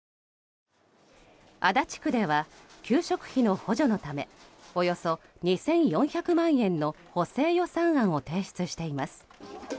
足立区では給食費の補助のためおよそ２４００万円の補正予算案を提出しています。